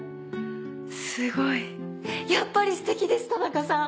すごいやっぱり素敵です田中さん！